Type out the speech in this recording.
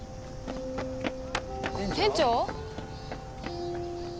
店長？